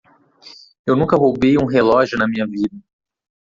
Eu nunca roubei um relógio na minha vida.